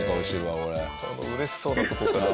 この嬉しそうなとこから。